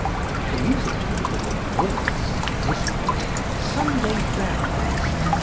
The music to open the fourth scene is called "Sunday Bells."